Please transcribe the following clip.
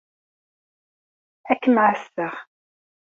Ad kem-ɛasseɣ.